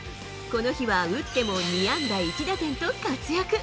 この日は打っても２安打１打点と活躍。